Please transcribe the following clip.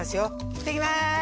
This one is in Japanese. いってきます！